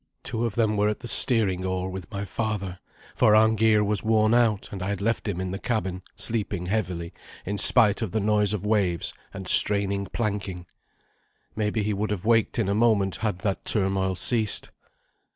Two of them were at the steering oar with my father, for Arngeir was worn out, and I had left him in the cabin, sleeping heavily in spite of the noise of waves and straining planking. Maybe he would have waked in a moment had that turmoil ceased.